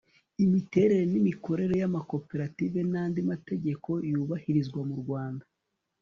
imiterere n'imikorere y'amakoperative n'andi mategeko yubahirizwa mu rwanda